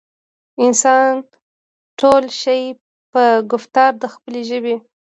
انسان تول شي پۀ ګفتار د خپلې ژبې